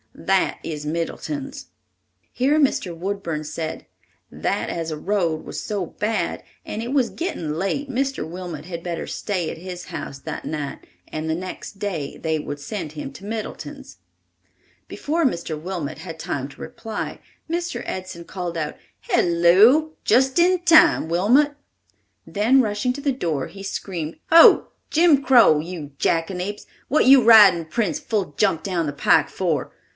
That is Middleton's." Here Mr. Woodburn said, "That as the road was so bad, and it was getting late, Mr. Wilmot had better stay at his house that night and the next day they would send him to Middleton's." Before Mr. Wilmot had time to reply, Mr. Edson called out, "Halloo! Just in time, Wilmot!" Then rushing to the door he screamed, "Ho! Jim Crow, you jackanapes, what you ridin' Prince full jump down the pike for?